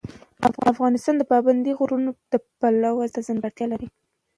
افغانستان د پابندی غرونه د پلوه ځانته ځانګړتیا لري.